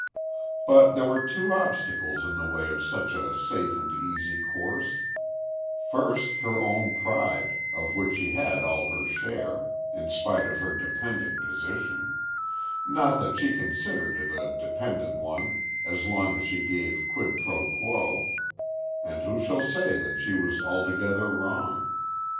But there were two obstacles in the way of such a safe and easy course; first her own pride, of which she had all her share in spite of her dependent position not that she considered it a dependent one as long as she gave quid pro quo, and who shall say that she was altogether wrong?